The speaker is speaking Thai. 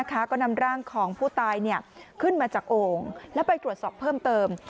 ก็นำร่างของผู้ตายขึ้นมาจากโอ่งแล้วไปตรวจสอบเพิ่มเติม